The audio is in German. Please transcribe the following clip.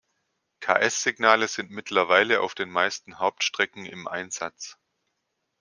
Ks-Signale sind mittlerweile auf den meisten Hauptstrecken im Einsatz.